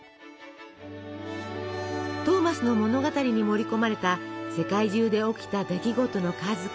トーマスの物語に盛り込まれた世界中で起きた出来事の数々。